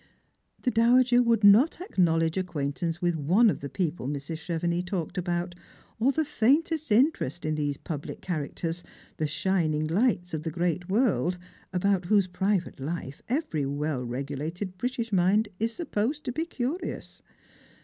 The dowager would not acknowledge acquaintance with one of the people Mrs. Chevenix talked about, or the faintest interest in those public characters, the shining lights of tho great world, about whose private life every well regulated British mind is supposed to be curious.